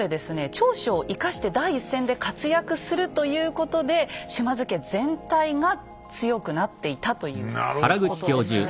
長所を生かして第一線で活躍するということで島津家全体が強くなっていたということですね。